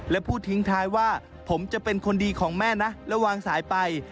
และพูดทิ้งท้ายว่าผมจะเป็นคนดีของแม่นะแล้ววางสายไป